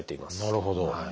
なるほど。